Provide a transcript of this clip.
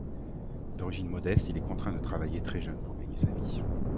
D'origine modeste, il est contraint de travailler très jeune pour gagner sa vie.